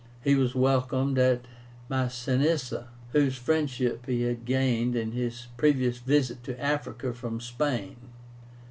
He was welcomed by Masinissa, whose friendship he had gained in his previous visit to Africa from Spain.